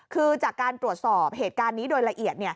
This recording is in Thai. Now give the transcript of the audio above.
คือจากการตรวจสอบเหตุการณ์นี้โดยละเอียด